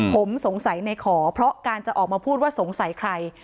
ผมสงสัยในขอเพราะการจะออกมาพูดว่าสงสัยใคร